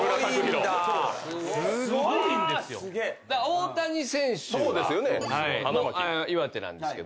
大谷選手が岩手なんですけど。